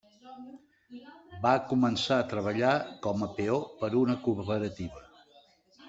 Va començar a treballar com a peó per a una cooperativa.